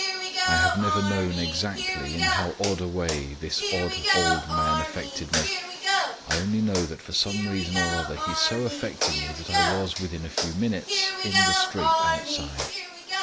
I have never known exactly in how odd a way this odd old man affected me. I only know that for some reason or other he so affected me that I was, within a few minutes, in the street outside.